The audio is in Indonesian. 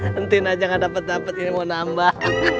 nantiin aja nggak dapet dapet yang mau nambah